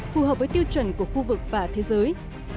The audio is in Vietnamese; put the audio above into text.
phù hợp với tiêu chuẩn của khu vực và thế giới